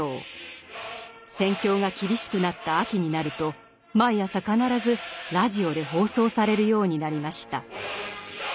戦況が厳しくなった秋になると毎朝必ずラジオで放送されるようになりました。